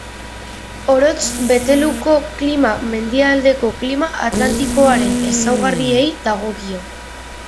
Orotz-Beteluko klima mendialdeko klima atlantikoaren ezaugarriei dagokio.